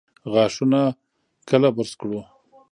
غاښونه کله برس کړو؟